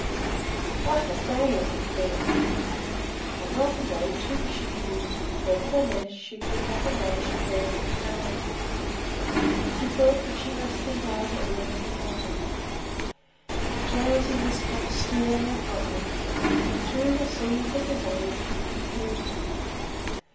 What a day it had been! A long day, too, she knew; nevertheless, she could not imagine where it had gone. She felt that she must think over all that had happened. But drowsiness came stealing upon her and threw the scenes of the day into confusion.